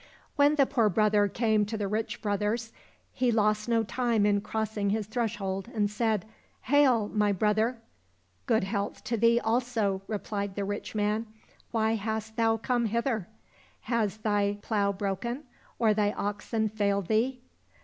When the poor brother came to the rich brother's, he lost no time in crossing his threshold, and said, " Hail, my brother !"—" Good health to thee also !" repUed the rich man, " why hast thou come hither .? Has thy plough broken, or thy oxen failed thee